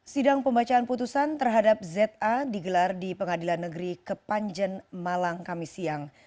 sidang pembacaan putusan terhadap za digelar di pengadilan negeri kepanjen malang kami siang